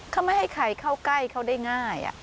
เขาไม่ให้ใครเข้าใกล้เขาได้ง่าย